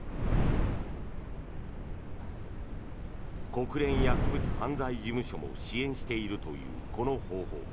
国連薬物犯罪事務所も支援しているというこの方法。